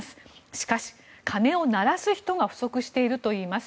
しかし、鐘を鳴らす人が不足しているといいます。